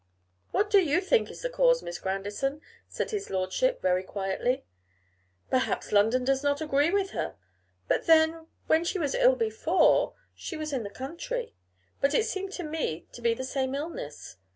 'What do you think is the cause, Miss Grandison?' said his lordship, very quietly. 'Perhaps London does not agree with her; but then, when she was ill before she was in the country; and it seems to me to be the same illness.